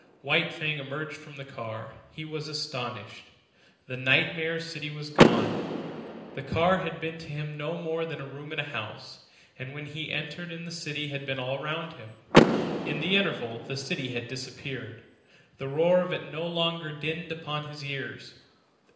White Fang emerged from the car. He was astonished. The nightmare city was gone. The car had been to him no more than a room in a house, and when he had entered it the city had been all around him. In the interval the city had disappeared. The roar of it no longer dinned upon his ears.